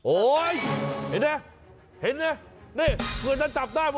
โอ๊ยเห็นไหมนี่เพื่อนฉันจับได้มัน